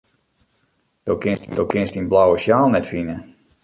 Do kinst dyn blauwe sjaal net fine.